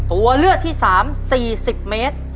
ตัวเลือกที่๓๔๐เมตร